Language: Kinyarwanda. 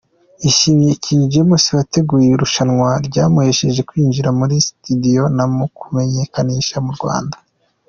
Yashimiye King James wateguye irushanwa ryamuhesheje kwinjira muri studio no kumumenyekanisha mu Rwanda.